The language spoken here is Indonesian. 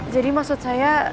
jadi maksud saya